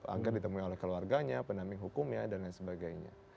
agar ditemui oleh keluarganya pendamping hukumnya dan lain sebagainya